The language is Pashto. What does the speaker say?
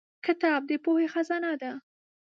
کتاب د پوهې خزانه ده.